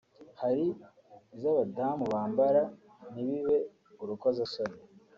hari iz’abadamu bambara ntibibe urukozasoni